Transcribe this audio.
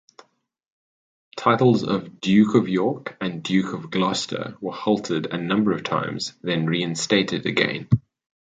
Titles of Duke of York and Duke of Gloucester were halted a number of times, then reinstated again.